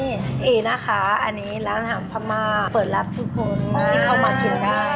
นี่เอนะคะอันนี้ร้านอาหารพม่าเปิดรับทุกคนที่เข้ามากินได้